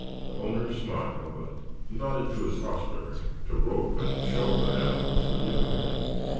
The owner smiled, but nodded to his hostler to rope and show the animals to the young men.